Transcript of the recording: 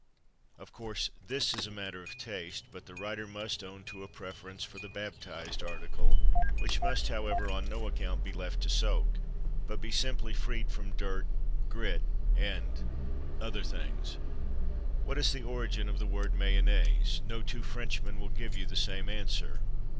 Of course this is a matter of taste, but the writer must own to a preference for the baptised article, which must, however, on no account be left to soak, but be simply freed from dirt, grit, and other things. What is the origin of the word "MAYONNAISE"? No two Frenchmen will give you the same answer.